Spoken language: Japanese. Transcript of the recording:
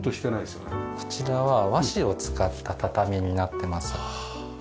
こちらは和紙を使った畳になってます。